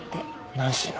ナンシーの？